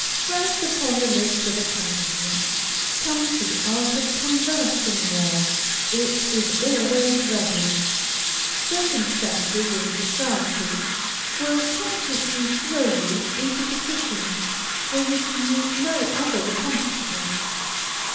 First upon the list of accomplishments, comes the art of conversing well. It is always ready. Circumstances in society will constantly throw you into positions where you can use no other accomplishment.